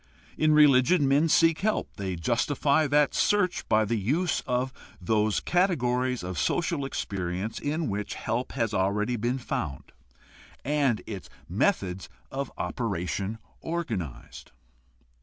In religion men seek help; they justify that search by the use of those cate gories of social experience in which help has already been found and its methods of operation organized.